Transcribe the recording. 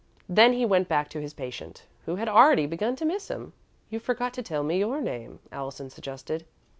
Then he went back to his patient, who had already begun to miss him. "You forgot to tell me your name," Allison suggested.